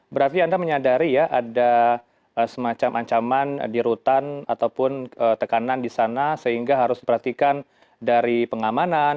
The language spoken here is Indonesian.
berarti anda menyadari ya ada semacam ancaman di rutan ataupun tekanan di sana sehingga harus diperhatikan dari pengamanan